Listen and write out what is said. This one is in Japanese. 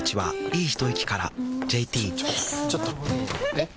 えっ⁉